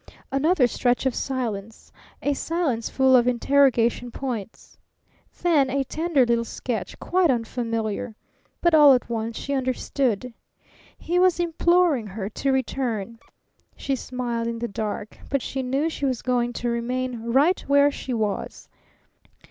Another stretch of silence a silence full of interrogation points. Then a tender little sketch, quite unfamiliar. But all at once she understood. He was imploring her to return. She smiled in the dark; but she knew she was going to remain right where she was.